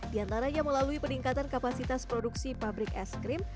diantaranya melalui peningkatan kapasitas produksi pabrik es krim